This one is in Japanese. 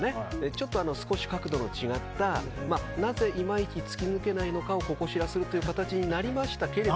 ちょっと少し角度の違ったなぜ、いまいち突き抜けられないのかをココ調するという形になりましたけれども。